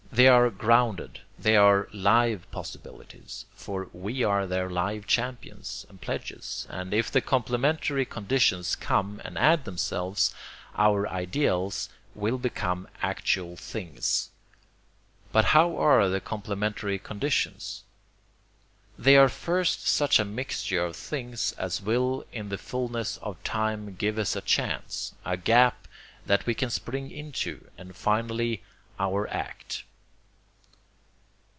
They are grounded, they are LIVE possibilities, for we are their live champions and pledges, and if the complementary conditions come and add themselves, our ideals will become actual things. What now are the complementary conditions? They are first such a mixture of things as will in the fulness of time give us a chance, a gap that we can spring into, and, finally, OUR ACT.